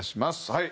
はい。